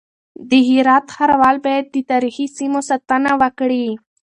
د هرات ښاروال بايد د تاريخي سيمو ساتنه وکړي.